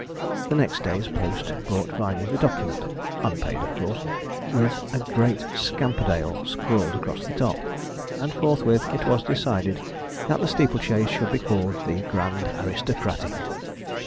The next day's post brought Viney the document unpaid, of course with a great 'Scamperdale' scrawled across the top; and forthwith it was decided that the steeple chase should be called the 'Grand Aristocratic.'